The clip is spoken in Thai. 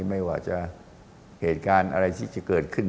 เศรษฐภัณฑ์อะไรที่จะเกิดขึ้น